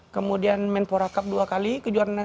kemudian menpora cup dua kali kejuaraan